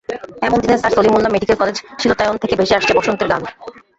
এমন দিনে sir Salimullah medical college শিলনায়তন থেকে ভেসে আসছে বসন্তের গান।